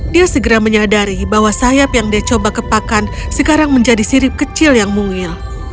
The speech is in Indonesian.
dia segera menyadari bahwa sayap yang dia coba kepakan sekarang menjadi sirip kecil yang mungil